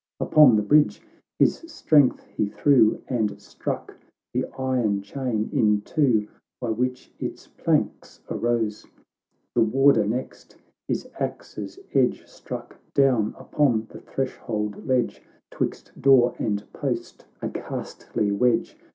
Upon the bridge his strength he threw, And struck the iron chain in two By which its planks arose ; The warder next his axe's edge Struck down upon the threshold ledge, 'Twixt door and post a ghastly wedge